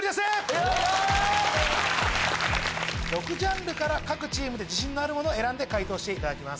６ジャンルから自信のあるものを選んで解答していただきます。